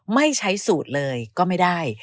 ไม่ใช้สูตรเลยก็ไม่ได้